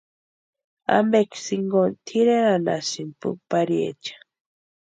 ¿Ampeksï jinkoni tʼireranhasïni puki pariecha?